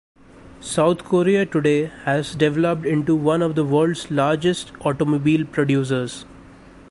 South Korea today has developed into one of the world's largest automobile producers.